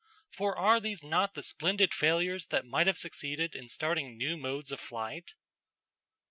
For are these not the splendid failures that might have succeeded in starting new modes of flight?